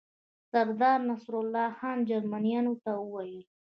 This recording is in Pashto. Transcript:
سردار نصرالله خان جرمنیانو ته وویل.